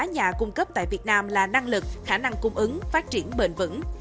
nhà cung cấp tại việt nam là năng lực khả năng cung ứng phát triển bền vững